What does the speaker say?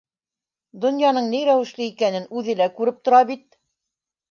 Донъяның ни рәүешле икәнен үҙе лә күреп тора бит.